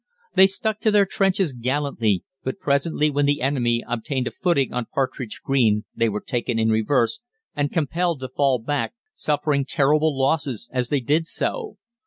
They stuck to their trenches gallantly, but presently when the enemy obtained a footing on Partridge Green they were taken in reverse, and compelled to fall back, suffering terrible losses as they did so.